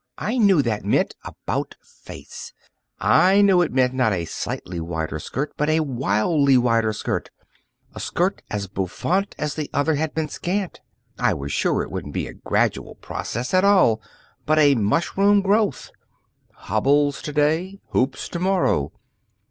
I knew that meant, 'About face!' I knew it meant not a slightly wider skirt but a wildly wider skirt. A skirt as bouffant as the other had been scant. I was sure it wouldn't be a gradual process at all but a mushroom growth hobbles to day, hoops to morrow.